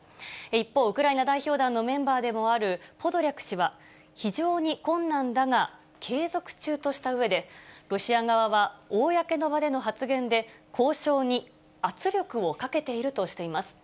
一方、ウクライナ代表団のメンバーでもあるポドリャク氏は、非常に困難だが継続中としたうえで、ロシア側は公の場での発言で、交渉に圧力をかけているとしています。